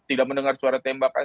tidak mendengar suara tembakan